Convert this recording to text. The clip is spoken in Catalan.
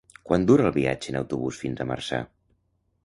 Quant dura el viatge en autobús fins a Marçà?